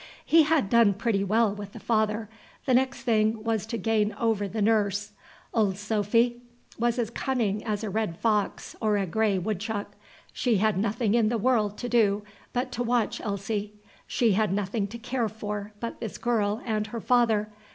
He had done pretty well with the father: the next thing was to gain over the nurse. Old Sophy was as cunning as a red fox or a gray woodchuck. She had nothing in the world to do but to watch Elsie; she had nothing to care for but this girl and her father.